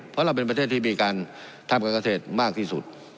เพราะเราเป็นประเทศที่มีการทำการเกษตรมากที่สุด